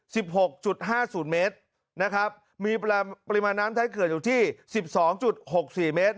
หกจุดห้าศูนย์เมตรนะครับมีปริมาณน้ำท้ายเขื่อนอยู่ที่สิบสองจุดหกสี่เมตร